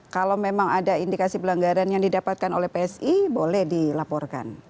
kalau memang ada indikasi pelanggaran yang didapatkan oleh psi boleh dilaporkan